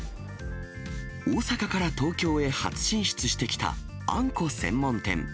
大阪から東京へ初進出してきた、あんこ専門店。